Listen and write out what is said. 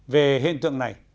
về hiện tượng này